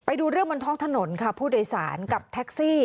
ไปดูเรื่องบนท้องถนนค่ะผู้โดยสารกับแท็กซี่